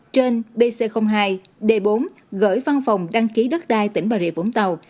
trên bc hai d bốn gửi văn phòng đăng ký đất đai tỉnh bà rịa vũng tàu